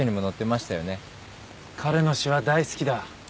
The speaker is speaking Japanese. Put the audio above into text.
彼の詩は大好きだ。